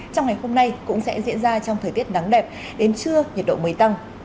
trong ngày hôm nay cũng sẽ diễn ra trong thời tiết nắng đẹp đến trưa nhiệt độ mới tăng